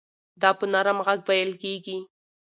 دا په نرم غږ وېل کېږي.